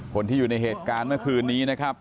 คนที่อยู่ในเหตุการณ์เมื่อคืนนี้นะครับ